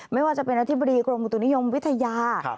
ไม่ว่าจะเป็นอธิบดีกรมอุตุนิยมวิทยา